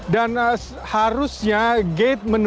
dan harusnya gate menunggu